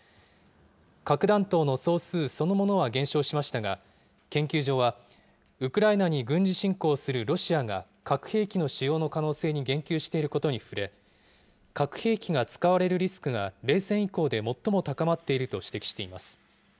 核弾頭の総数そのものは減少しましたが、研究所はウクライナに軍事侵攻するロシアが、核兵器の使用の可能性に言及していることに触れ、核兵器が使われるリスクが冷戦以降で最も高まっていると指摘しています。